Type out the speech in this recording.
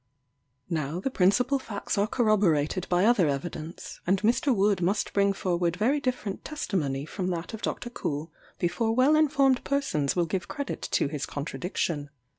Now the principal facts are corroborated by other evidence, and Mr. Wood must bring forward very different testimony from that of Dr. Coull before well informed persons will give credit to his contradiction.